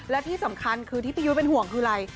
และที่สำคัญคือที่พี่ยุทธ์เป็นห่วงคืออะไร